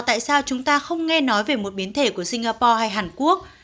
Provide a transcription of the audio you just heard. tại sao chúng ta không nghe nói về một biến thể của singapore hay hàn quốc